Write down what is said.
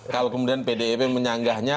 kalau kemudian pdip menyanggahnya